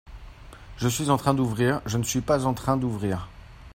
Je suis en train d'ouvrir, je ne suis pas en train d'ouvrir.